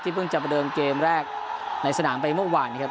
เพิ่งจะประเดิมเกมแรกในสนามไปเมื่อวานนะครับ